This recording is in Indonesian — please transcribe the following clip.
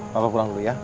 papa pulang dulu ya